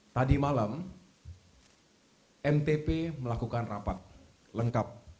tadi malam mtp melakukan rapat lengkap